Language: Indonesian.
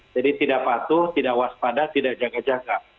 jadi tidak patuh tidak waspada tidak jaga jaga